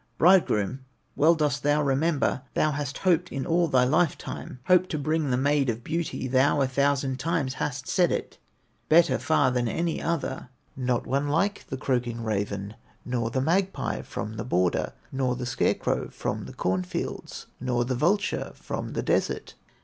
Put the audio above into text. Bridegroom, well dost thou remember, Thou hast hoped it all thy life time, Hoped to bring the Maid of Beauty, Thou a thousand times hast said it, Better far than any other, Not one like the croaking raven, Nor the magpie from the border, Nor the scarecrow from the corn fields, Nor the vulture from the desert.